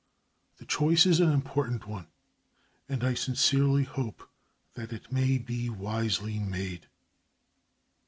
The choice is an important one, and I sincerely hope that it may be wisely made.